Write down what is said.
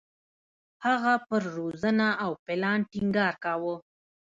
هغه پر روزنه او پلان ټینګار کاوه.